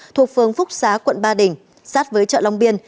thuộc phương phúc xá quận ba đình sát với chợ long biên